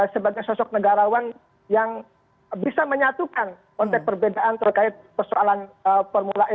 sebagai sosok negarawan yang bisa menyatukan konteks perbedaan terkait persoalan formula e